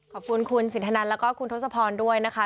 ขอบคุณคุณสินทนันแล้วก็คุณทศพรด้วยนะคะ